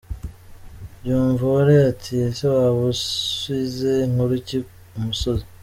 Byumvuhore ati :« Ese waba usize nkuru ki imusozi »?